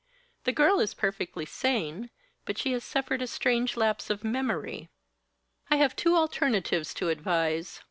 "The girl is perfectly sane, but she has suffered a strange lapse of memory. I have two alternatives to advise.